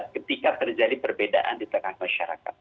ketika terjadi perbedaan di tengah masyarakat